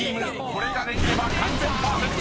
これができれば完全パーフェクト］